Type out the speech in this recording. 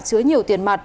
chứa nhiều tiền mặt